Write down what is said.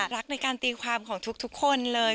รักในการตีความของทุกคนเลย